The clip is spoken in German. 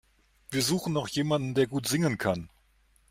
Wir suchen noch jemanden, der gut singen kann.